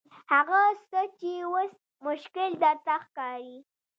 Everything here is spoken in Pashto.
هغه څه چې اوس مشکل درته ښکاري.